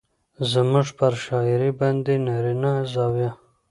زموږ پر شاعرۍ باندې نارينه زاويه